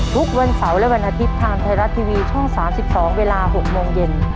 ทุกวันเสาร์และวันอาทิตย์ทางไทยรัฐทีวีช่อง๓๒เวลา๖โมงเย็น